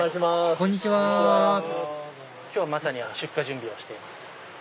こんにちは今日はまさに出荷準備をしています。